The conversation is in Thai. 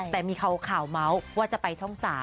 แต่มีข่าวเมาส์ว่าจะไปช่อง๓